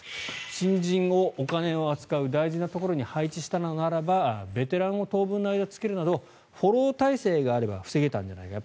新人をお金を扱う大事なところに配置したのならばベテランを当分の間、つけるなどフォロー体制があれば防げたんじゃないかと。